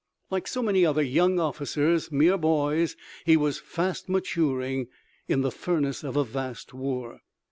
Like so many other young officers, mere boys, he was fast maturing in the furnace of a vast war.